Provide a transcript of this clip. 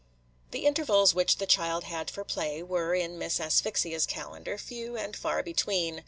The intervals which the child had for play were, in Miss Asphyxia's calendar, few and far between.